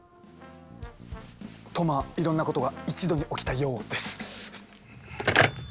とまあいろんなことが一度に起きたようです。